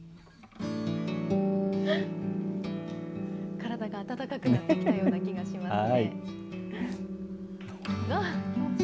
体が温かくなってきたような気がしますね。